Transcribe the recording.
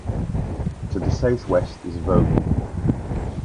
To the southwest is Vogel.